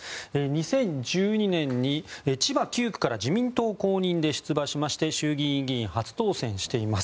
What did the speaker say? ２０１２年に千葉９区から自民党公認で出馬しまして衆議院議員初当選しています。